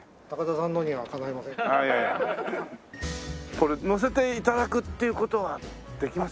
これ乗せて頂くっていう事はできますか？